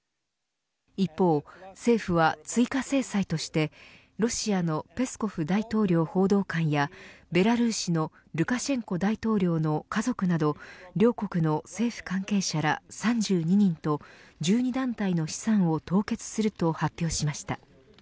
一方、政府は追加制裁としてロシアのペスコフ大統領報道官やベラルーシのルカシェンコ大統領の家族など両国の政府関係者ら３２人と１２団体の資産を凍結すると発表しました。